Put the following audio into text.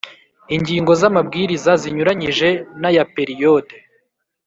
ingingo z amabwiriza zinyuranyije n aya periyode